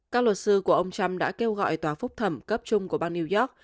các luật sư của ông trump đã kêu gọi tòa phúc thẩm cấp chung của bang new york